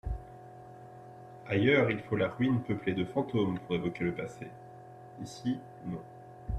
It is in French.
Ailleurs, il faut la ruine peuplée de fantômes pour évoquer le passé ; ici, non.